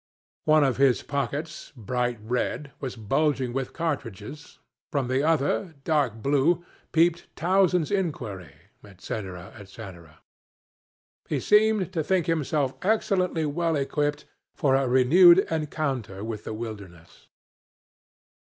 One of his pockets (bright red) was bulging with cartridges, from the other (dark blue) peeped 'Towson's Inquiry,' &c., &c. He seemed to think himself excellently well equipped for a renewed encounter with the wilderness.